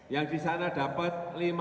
yang di sana dapat lima puluh sembilan